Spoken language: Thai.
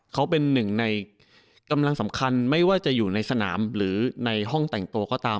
เขาเป็นหนึ่งในกำลังสำคัญไม่ว่าจะอยู่ในสนามหรือในห้องแต่งตัวก็ตาม